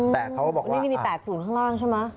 แต่เขาก็บอกนี่มี๘๐ข้างล่างใช่ไหม